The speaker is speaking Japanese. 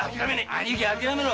兄貴諦めろ。